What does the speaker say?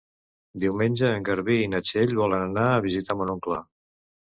Diumenge en Garbí i na Txell volen anar a visitar mon oncle.